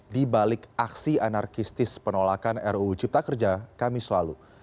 dibalik aksi anarkistis penolakan ruu cipta kerja kami selalu